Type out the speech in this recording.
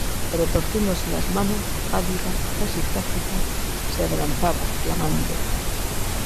retorciéndose las manos , pálida , casi trágica , se adelantaba exclamando :